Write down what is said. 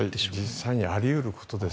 実際にはあり得ることです。